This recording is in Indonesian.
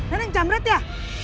ini jamret ya